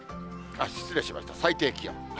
失礼しました、最低気温。